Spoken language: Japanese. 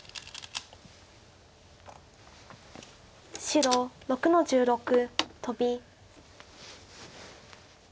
白６の十六トビ。